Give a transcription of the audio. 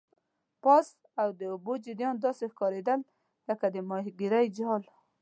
پاس د اوبو جریان داسې ښکاریدل لکه د ماهیګرۍ جال.